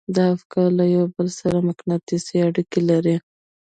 دا افکار له يو بل سره مقناطيسي اړيکې لري.